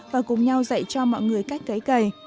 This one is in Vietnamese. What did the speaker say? và cùng nhau dạy cho mọi người cách kể kể